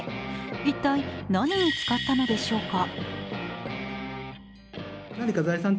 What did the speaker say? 一体、何に使ったのでしょうか？